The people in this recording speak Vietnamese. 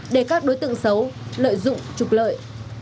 để các đối tượng xấu lợi dụng trục lợi